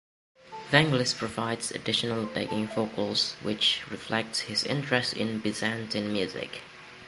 Vangelis provides additional backing vocals, which reflect his interest in Byzantine music.